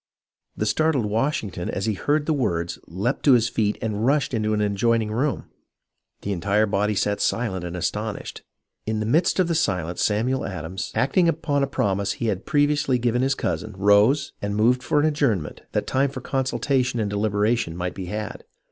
The startled Washington as he heard the words leaped to his feet and rushed into an adjoining room. The entire body sat silent and astonished. In the midst of the silence, Samuel Adams, acting upon a promise he had previously given his cousin, rose, and moved for an adjournment, that 48 HISTORY OF THE AMERICAN REVOLUTION time for consultation and deliberation might be had.